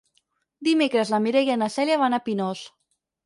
Divendres na Mireia i na Cèlia van a Pinós.